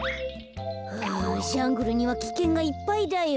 フジャングルにはきけんがいっぱいだよ。